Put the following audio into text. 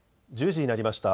１０時になりました。